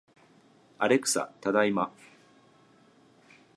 アレクサ、ただいま